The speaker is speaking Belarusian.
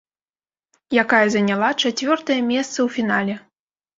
Якая заняла чацвёртае месца ў фінале.